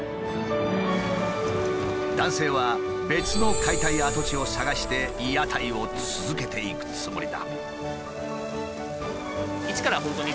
男性は別の解体跡地を探して屋台を続けていくつもりだ。